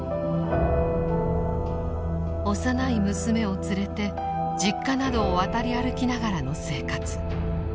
幼い娘を連れて実家などを渡り歩きながらの生活。